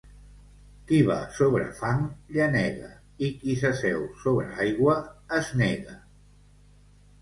Qui va sobre fang, llenega, i qui s'asseu sobre aigua, es nega.